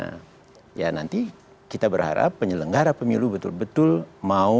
nah ya nanti kita berharap penyelenggara pemilu betul betul mau